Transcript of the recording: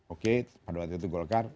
oke pada waktu itu golkar